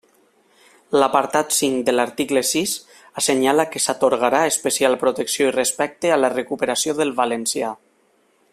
L'apartat cinc de l'article sis assenyala que s'atorgarà especial protecció i respecte a la recuperació del valencià.